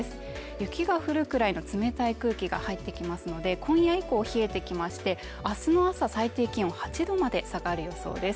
雪が降るくらいの冷たい空気が入ってきますので今夜以降冷えてきまして、明日の朝最低気温８℃まで下がる予想です。